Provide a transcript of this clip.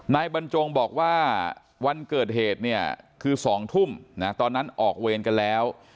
นายบรรจงบอกว่าวันเกิดเหตุเนี่ยคือ๒ทุ่มตอนนั้นออกเวรกันแล้ว